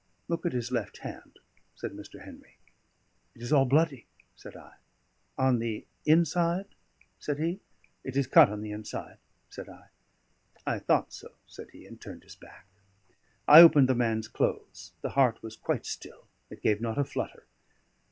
"Look at his left hand," said Mr. Henry. "It is all bloody," said I. "On the inside?" said he. "It is cut on the inside," said I. "I thought so," said he, and turned his back. I opened the man's clothes; the heart was quite still, it gave not a flutter.